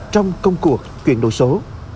trong công cuộc chuyển đổi số